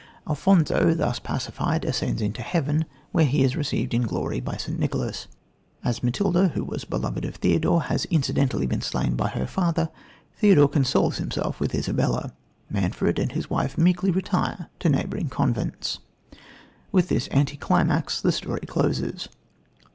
Alfonso, thus pacified, ascends into heaven, where he is received into glory by St. Nicholas. As Matilda, who was beloved of Theodore, has incidentally been slain by her father, Theodore consoles himself with Isabella. Manfred and his wife meekly retire to neighbouring convents. With this anti climax the story closes.